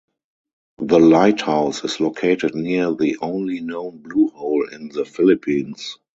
The lighthouse is located near the only known blue hole in the Philippines.